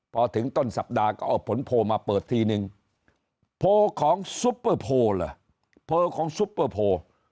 พอถึงต้นสัปดาห์ก็เอาผลโพลมาเปิดทีนึงโพลของซุปเปอร์โพลเหรอโพลของซุปเปอร์โพล